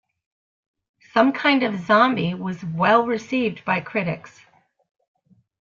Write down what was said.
"Some Kind of Zombie" was well received by critics.